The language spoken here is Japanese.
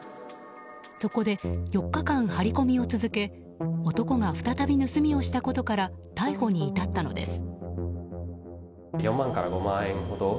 そこで４日間張り込みを続け男が再び盗みをしたことから逮捕に至ったのです。